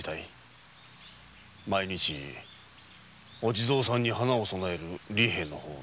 毎日お地蔵様に花を供える利平の方が。